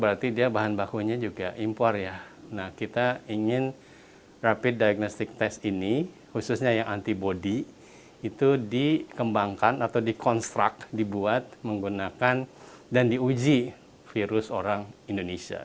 atau dikonstruksi dibuat menggunakan dan diuji virus orang indonesia